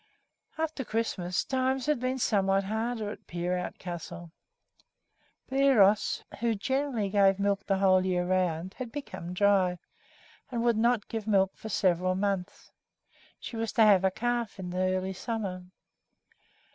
After Christmas, times had been somewhat harder at Peerout Castle. Bliros, who generally gave milk the whole year round, had become dry, and would not give milk for several months. She was to have a calf in the early summer.